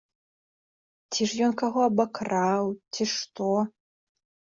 Ці ж ён каго абакраў, ці што?